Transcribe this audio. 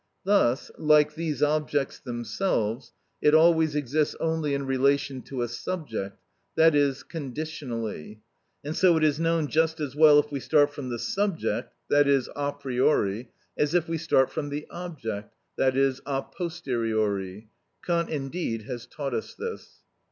Thus, like these objects themselves, it always exists only in relation to a subject, that is, conditionally; and so it is known just as well if we start from the subject, i.e., a priori, as if we start from the object, i.e., a posteriori. Kant indeed has taught us this.